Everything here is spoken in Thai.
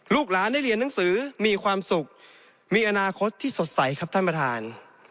ลูกหลานได้เรียนหนังสือมีความสุขมีอนาคตที่สดใสครับท่านประธาน